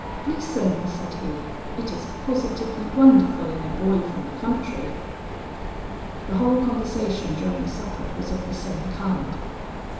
'Listen,' said he; 'it is positively wonderful in a boy from the country.' "The whole conversation during supper was of the same kind.